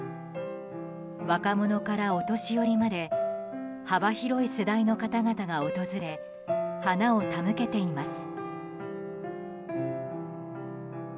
若者からお年寄りまで幅広い世代の方々が訪れ花を手向けています。